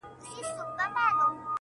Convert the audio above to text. بل ځوان وايي موږ بايد له دې ځایه لاړ سو,